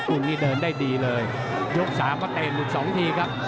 คุณนี่เดินได้ดีเลยยก๓ก็เตรนหลุด๒ทีครับ